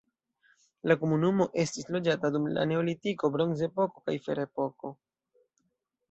La komunumo estis loĝata dum la neolitiko, bronzepoko kaj ferepoko.